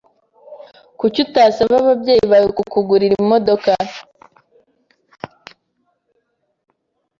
Kuki utasaba ababyeyi bawe kukugurira imodoka?